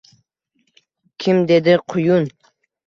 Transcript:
Kim dedi “Quyun” –